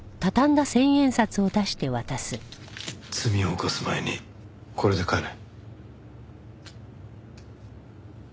罪を犯す前にこれで帰れ。